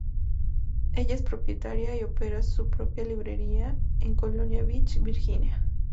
Ella es propietaria y opera su propia librería en Colonial Beach, Virginia.